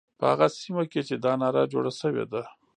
په هغه سیمه کې چې دا ناره جوړه شوې ده.